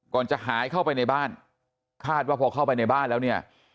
จะหายเข้าไปในบ้านคาดว่าพอเข้าไปในบ้านแล้วเนี่ย